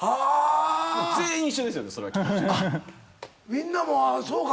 みんなもそうか。